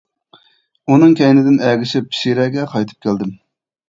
ئۇنىڭ كەينىدىن ئەگىشىپ شىرەگە قايتىپ كەلدىم.